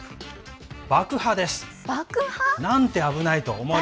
爆破です。